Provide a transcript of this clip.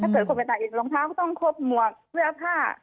เกิดคนไปถ่ายเองรองเท้าก็ต้องครบหมวกเสื้อผ้า